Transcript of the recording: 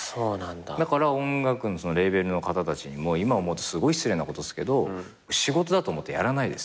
だからレーベルの方たちにも今思うとすごい失礼なことっすけど仕事だと思ってやらないです。